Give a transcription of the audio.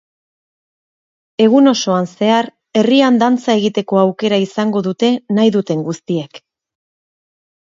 Egun osoan zehar, herrian dantza egiteko aukera izango dute nahi duten guztiek.